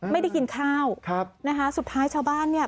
ไม่ได้กินข้าวครับนะคะสุดท้ายชาวบ้านเนี่ย